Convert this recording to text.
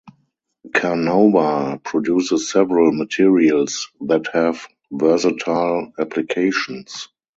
Carnauba produces several materials that have versatile applications.